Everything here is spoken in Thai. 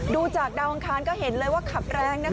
ดูจากดาวอังคารก็เห็นเลยว่าขับแรง